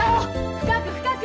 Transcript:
深く深く！